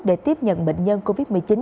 để tiếp nhận bệnh nhân covid một mươi chín